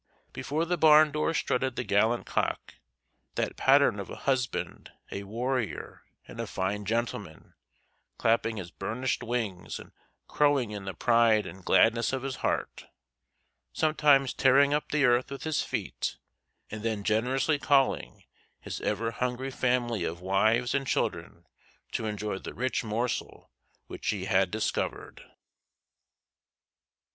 Before the barn door strutted the gallant cock, that pattern of a husband, a warrior, and a fine gentleman, clapping his burnished wings and crowing in the pride and gladness of his heart sometimes tearing up the earth with his feet, and then generously calling his ever hungry family of wives and children to enjoy the rich morsel which he had discovered.